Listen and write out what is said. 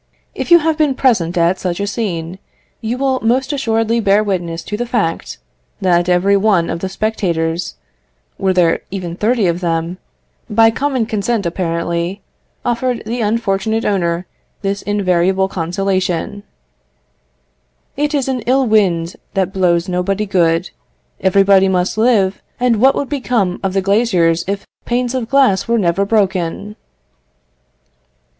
If you have been present at such a scene, you will most assuredly bear witness to the fact, that every one of the spectators, were there even thirty of them, by common consent apparently, offered the unfortunate owner this invariable consolation "It is an ill wind that blows nobody good. Everybody must live, and what would become of the glaziers if panes of glass were never broken?"